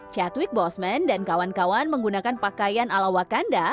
chadwick boseman dan kawan kawan menggunakan pakaian ala wakanda